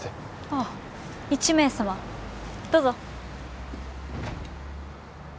ああ１名様どうぞ。